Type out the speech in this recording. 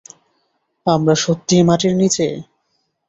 আমরা সত্যিই মাটির নিচে?